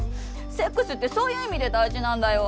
セックスってそういう意味で大事なんだよ